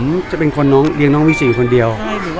ผมจะเป็นคนเรียงน้องวิจิอยู่คนเดียว